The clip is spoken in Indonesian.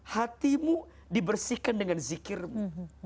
hatimu dibersihkan dengan zikirmu